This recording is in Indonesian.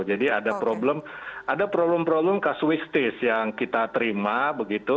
jadi ada problem kasuistis yang kita terima begitu